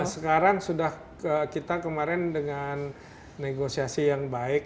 sekarang sudah kita kemarin dengan negosiasi yang baik